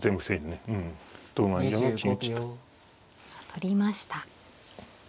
取りました。